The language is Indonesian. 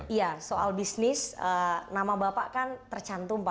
iya soal bisnis nama bapak kan tercantum pak